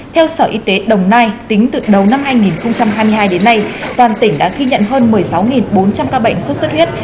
theo sở y tế đồng nai tính từ đầu năm hai nghìn hai mươi hai đến nay toàn tỉnh đã ghi nhận hơn một mươi sáu bốn trăm linh ca bệnh sốt xuất huyết